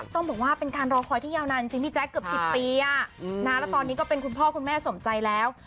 ต้องบอกว่าเป็นการรอคอยที่ยาวนานจริงพี่แจ๊คเกือบ๑๐ปีแล้วตอนนี้ก็เป็นคุณพ่อคุณแม่สมใจแล้ว